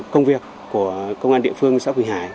công việc của công an địa phương xã quỳnh hải